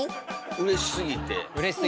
うれしすぎてです。